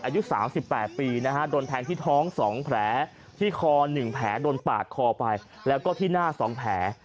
อายุ๓๘ปีนะฮะโดนแทงที่ท้อง๒แผลที่คอ๑แผลโดนปาดคอไปแล้วก็ที่หน้า๒แผล